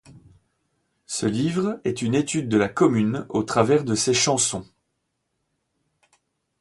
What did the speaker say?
Ce livre est une étude de la Commune au travers de ses chansons.